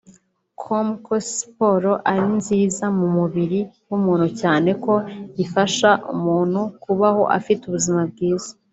com ko siporo ari nziza mu mubiri w’umuntu cyane ko ifasha umuntu kubaho afite ubuzima bwiza